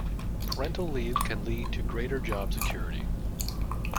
Parental leave can lead to greater job security.